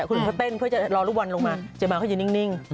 คนอื่นเต้นเพื่อจะรอลูกบอลลงมาเจมส์มาก็จะนิ่ง